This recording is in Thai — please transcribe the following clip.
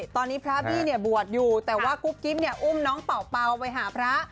ตอนนี้พระบี้บวชอยู่แต่ว่ากุ๊บกิ๊บอุ้มน้องเป่าไปหาพระ